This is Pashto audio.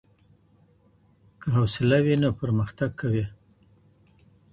که حوصله وي نو پرمختګ کوې.